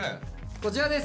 こちらです。